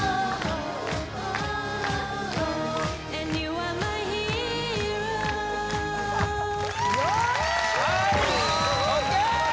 はいＯＫ！